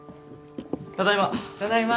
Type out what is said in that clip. ただいま。